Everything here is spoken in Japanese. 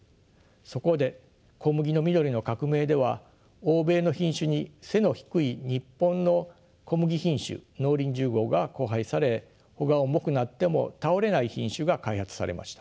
そこで小麦の緑の革命では欧米の品種に背の低い日本の小麦品種農林１０号が交配され穂が重くなっても倒れない品種が開発されました。